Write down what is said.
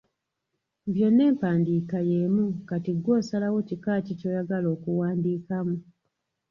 Byonna empandiika y'emu kati ggwe osalawo kika ki ky'oyagala okuwandiikamu.